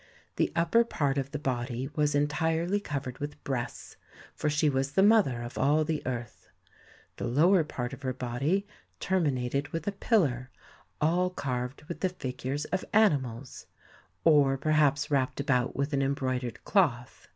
The upper part of the body was entirely covered with breasts, for she was the mother of all the earth. The lower part of her body terminated with a pillar all carved with the figures of animals, or perhaps wrapped about with an embroidered cloth.